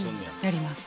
やります。